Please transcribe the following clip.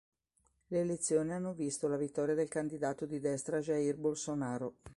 Le elezioni hanno visto la vittoria del candidato di destra Jair Bolsonaro.